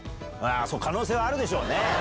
可能性はあるでしょうね。